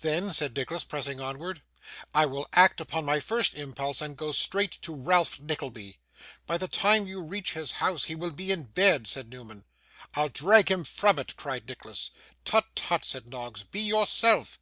'Then,' said Nicholas, pressing onward, 'I will act upon my first impulse, and go straight to Ralph Nickleby.' 'By the time you reach his house he will be in bed,' said Newman. 'I'll drag him from it,' cried Nicholas. 'Tut, tut,' said Noggs. 'Be yourself.